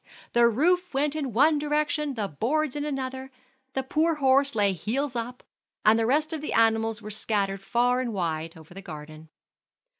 The roof went in one direction, the boards in another, the poor horse lay heels up, and the rest of the animals were scattered far and wide over the garden.